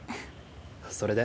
それで？